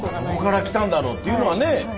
どこから来たんだろうっていうのはね。